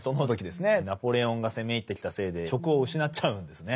ナポレオンが攻め入ってきたせいで職を失っちゃうんですね。